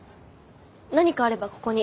何かあればここに。